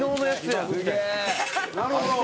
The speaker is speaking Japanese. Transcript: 「なるほど」